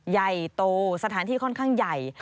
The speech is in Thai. ใหญ่โตสถานที่ค่อนข้างใหญ่